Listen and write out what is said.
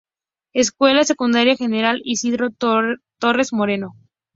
Escuela Secundaria General Isidro Torres Moreno.